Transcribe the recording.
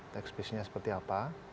tax base nya seperti apa